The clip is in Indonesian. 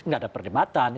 nggak ada perdebatan